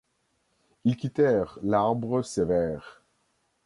Ils quittèrent l'arbre sévère